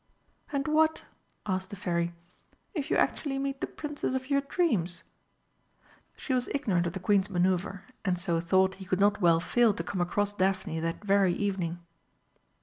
"And what," asked the Fairy, "if you actually meet the Princess of your dreams?" She was ignorant of the Queen's man[oe]uvre, and so thought he could not well fail to come across Daphne that very evening.